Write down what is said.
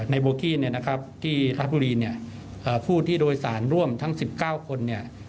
ในโบรกิเนี่ยนะครับที่ราชบุรีเนี่ยเอ่อผู้ที่โดยสารร่วมทั้งสิบเก้าคนเนี่ย